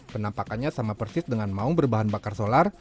penampakannya sama persis dengan maung berbahan bakar solar